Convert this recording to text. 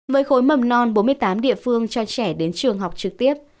với khối mầm non bốn mươi tám địa phương cho trẻ đến trường học trực tiếp